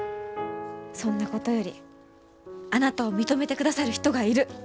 そんなことよりあなたを認めてくださる人がいる。